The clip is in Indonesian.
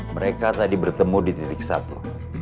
mereka tadi bertemu di titik satu